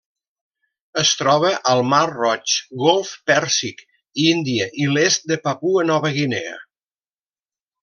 Es troba al Mar Roig, Golf Pèrsic, Índia i l'est de Papua Nova Guinea.